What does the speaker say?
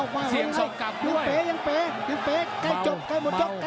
โอ้โหโอ้โหโอ้โหโอ้โหโอ้โหโอ้โหโอ้โห